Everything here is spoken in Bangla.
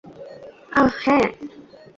আঃ, হ্যাঁ।